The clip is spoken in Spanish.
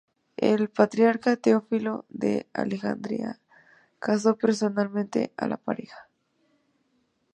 El patriarca Teófilo de Alejandría casó personalmente a la pareja.